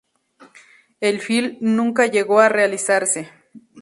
El film nunca llegó a realizarse.